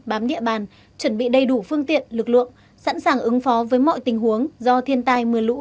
bám địa bàn chuẩn bị đầy đủ phương tiện lực lượng sẵn sàng ứng phó với mọi tình huống do thiên tai mưa lũ gây ra